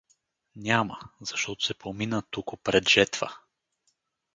Няма — защото се помина току пред жетва.